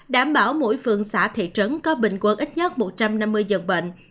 đảm bảo mỗi phường xã thị trấn có bình quân ít nhất một trăm năm mươi giường bệnh